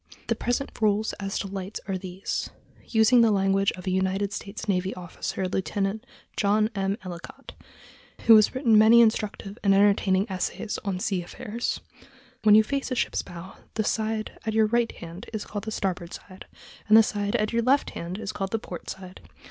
The present rules as to lights are these—using the language of a United States navy officer, Lieut. John M. Ellicott, who has written many instructive and entertaining essays on sea affairs: When you face toward a ship's bow the side at your right hand is called the starboard side, and the side at your left hand is called the port side.